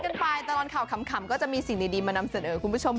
เป็นไงล่ะสนุกสนานกันไปตอนข่าวขำก็จะมีสิ่งดีมานำเสริมคุณผู้ชม